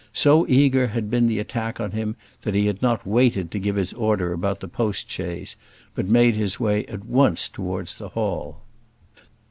So eager had been the attack on him, that he had not waited to give his order about the post chaise, but made his way at once towards the hall.